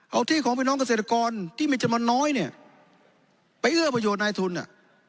เอาที่ของพี่น้องเกษตรกรที่มีจำนวนน้อยเนี่ยไปเอื้อประโยชน์นายทุนอ่ะ